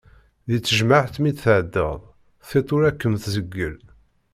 Deg tejmaɛt mi d-tɛeddaḍ, tiṭ ur ad kem-tzeggel.